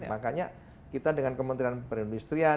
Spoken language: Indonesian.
makanya kita dengan kementerian perindustrian